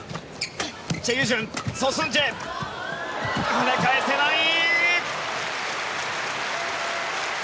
はね返せない！